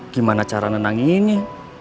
gimana cara nenanginnya